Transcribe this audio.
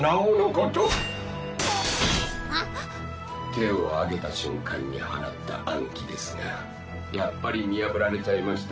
手を上げた瞬間に放った暗器ですがやっぱり見破られちゃいました？